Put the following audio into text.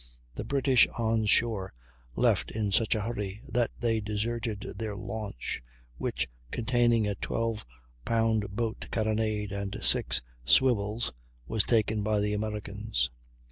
The British on shore left in such a hurry that they deserted their launch, which, containing a 12 pound boat carronade and six swivels, was taken by the Americans.